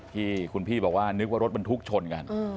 ที่คุณพี่บอกว่านึกว่ารถบรรทุกชนกัน